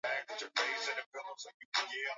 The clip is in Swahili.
Yeye ni Mwanasayansi.